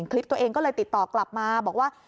คลิปตัวเองก็เลยติดต่อกลับมาบอกว่า